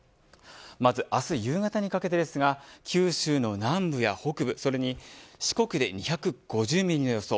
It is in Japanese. まず明日夕方にかけてですが九州の南部や北部それに四国で２５０ミリの予想。